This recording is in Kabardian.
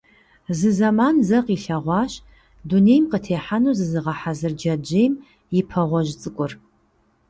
Зы зэман зэ къилъэгъуащ дунейм къытехьэну зызыгъэхьэзыр джэджьейм и пэ гъуэжь цӀыкӀур.